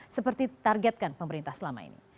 seperti targetkan pemerintah selama ini